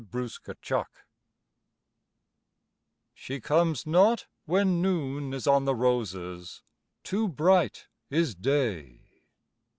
Y Z She Comes Not She comes not when Noon is on the roses Too bright is Day.